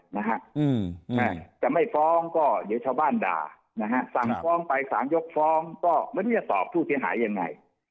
จะไม่ฟ้องก็เหลือชาวบ้านด่าสั่งฟ้องไป๓ยกฟ้องก็ไม่ได้สอบผู้ทิ้งหายยังไง